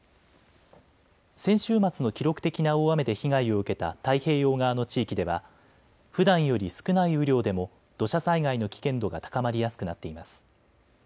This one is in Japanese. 先週末の記録的な大雨で被害を受けた太平洋側の地域ではふだんより少ない雨量でも土砂災害の危険度が高まりやすくなっています。